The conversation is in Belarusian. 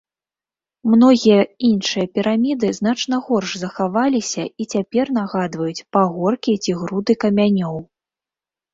Многія іншыя піраміды значна горш захаваліся і цяпер нагадваюць пагоркі ці груды камянёў.